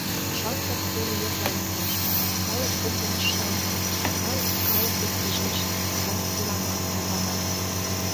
Шылтык тулйыпла лектеш, калык коклаш шалана — калык калык дек пижеш, сар пулама тарвана.